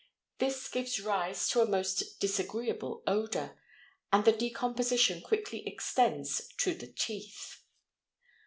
This gives rise to a most disagreeable odor, and the decomposition quickly extends to the teeth.